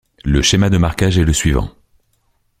Le schéma de marquage est le suivant.